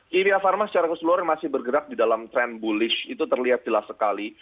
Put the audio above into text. kimia pharma secara keseluruhan masih bergerak di dalam tren bullish itu terlihat jelas sekali